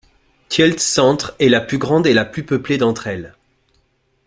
Tielt-centre est la plus grande et la plus peuplée d'entre elles.